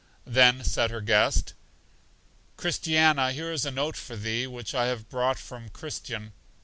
Then said her guest: Christiana, here is a note for thee, which I have brought from Christian.